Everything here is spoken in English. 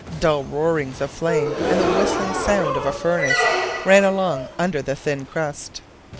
Dull roarings of flame and the whistling sound of a furnace ran along under the thin crust.